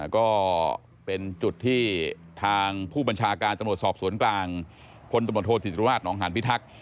ก็เป็นจุดที่ทางผู้บัญชาการตำรวจสอบสวนกลางพลตำรวจโทษศิติราชนองหานพิทักษ์